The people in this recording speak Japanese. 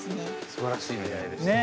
すばらしい出会いですね。